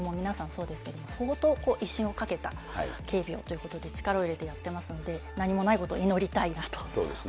そうですけれども、相当、威信をかけた警備をということで、力を入れてやってますので、何もないことを祈りたいなと思います。